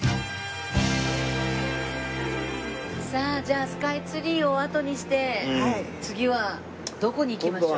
さあじゃあスカイツリーをあとにして次はどこに行きましょう？